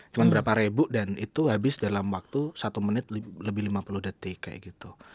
cuma berapa ribu dan itu habis dalam waktu satu menit lebih lima puluh detik kayak gitu